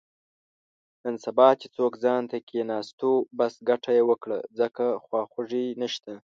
نن سبا چې څوک ځانته کېناستو، بس ګټه یې وکړه، ځکه خواخوږی نشته.